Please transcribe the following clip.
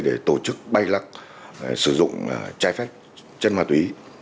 để tổ chức bay lắc sử dụng trái phép chân ma túy